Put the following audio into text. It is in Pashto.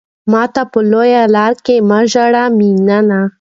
ماته په لويه لار کې مه ژاړه ميننه